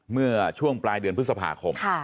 เมื่อช่วงปลายเดือนพฤษภาคม